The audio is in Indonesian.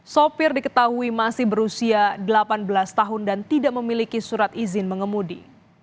sopir diketahui masih berusia delapan belas tahun dan tidak memiliki surat izin mengemudi